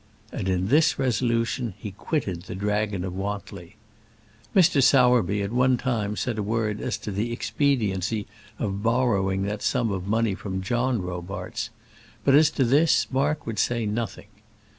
And in this resolution he quitted the Dragon of Wantly. Mr. Sowerby at one time said a word as to the expediency of borrowing that sum of money from John Robarts; but as to this Mark would say nothing.